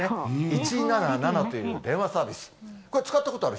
１７７という電話サービス。